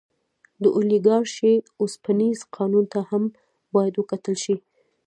د اولیګارشۍ اوسپنیز قانون ته هم باید وکتل شي.